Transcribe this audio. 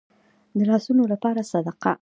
د لاسونو لپاره صدقه.